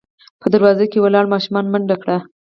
په دروازه کې ولاړو ماشومانو منډه کړه.